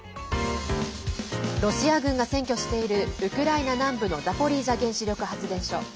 ロシア軍が占拠しているウクライナ南部のザポリージャ原子力発電所。